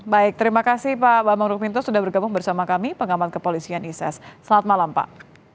baik terima kasih pak bambang rukminto sudah bergabung bersama kami pengamat kepolisian iss selamat malam pak